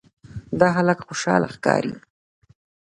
دا هلک خوشاله ښکاري.